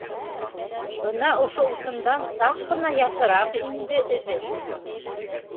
Бына ошо усымдан саҡ ҡына яҫыраҡ инде эҙе.